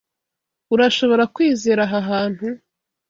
Urashobora kwizera aha hantu?